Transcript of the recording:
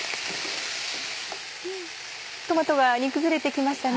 トマトが煮崩れて来ましたね。